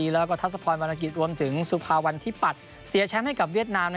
แล้วก็ทัศพรวรรณกิจรวมถึงสุภาวันที่ปัตย์เสียแชมป์ให้กับเวียดนาม